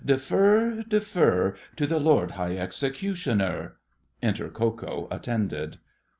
Defer, defer, To the Lord High Executioner! Enter Ko Ko attended.